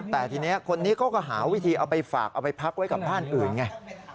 แต่ทีนี้คนนี้เขาก็หาวิธีเอาไปฝากเอาไปพักไว้กับบ้านอื่นไง